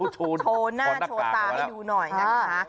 โชว์หน้าโชว์ตาให้ดูหน่อยนะคะ